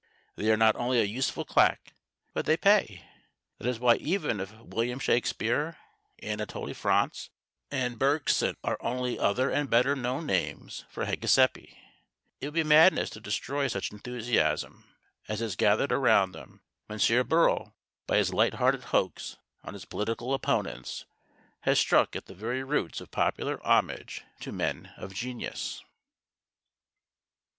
They are not only a useful claque, but they pay. That is why even if William Shakespeare, Anatole France, and Bergson are only other and better known names for Hégésippe, it would be madness to destroy such enthusiasm as has gathered round them. M. Bérault, by his light hearted hoax on his political opponents, has struck at the very roots of popular homage to men of genius.